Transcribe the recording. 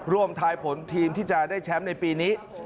ทายผลทีมที่จะได้แชมป์ในปีนี้